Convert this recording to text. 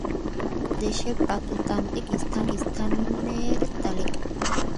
বাংলাদেশের প্রত্নতাত্ত্বিক স্থানের তালিকা